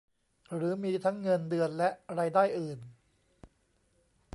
หรือมีทั้งเงินเดือนและรายได้อื่น